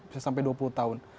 bisa sampai dua puluh tahun